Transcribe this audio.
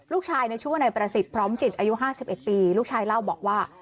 ลูกชายชั่วในประสิทธิ์พร้อมจิตอายุห้าสิบเอ็ดปีลูกชายเล่าบอกว่า